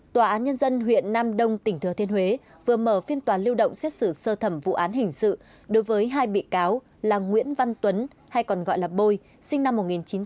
tòa án nhân dân huyện nam đông tỉnh thừa thiên huế vừa mở phiên tòa lưu động xét xử sơ thẩm vụ án hình sự đối với hai bị cáo là nguyễn văn tuấn hay còn gọi là bôi sinh năm một nghìn chín trăm tám mươi